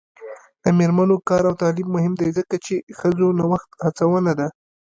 د میرمنو کار او تعلیم مهم دی ځکه چې ښځو نوښت هڅونه ده.